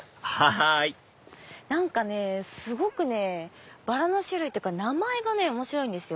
はい何かすごくバラの種類というか名前が面白いんですよ。